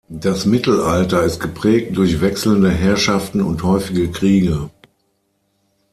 Das Mittelalter ist geprägt durch wechselnde Herrschaften und häufige Kriege.